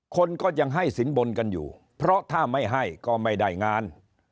คนก็ยังให้สินบนกันอยู่เพราะถ้าไม่ให้ก็ไม่ได้งาน